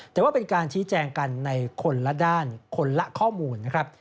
แต่ว่าเป็นการชี้แจงกันในคนละด้านคนละข้อมูลนะครับ